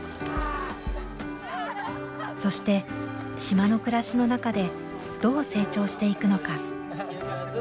そして島の暮らしの中でどう成長していくのか。